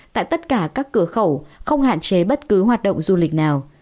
tại tất cả các cửa khẩu không hạn chế bất cứ hoạt động du lịch nào